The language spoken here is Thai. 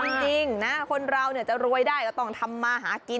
จริงนะคนเราจะรวยได้ก็ต้องทำมาหากิน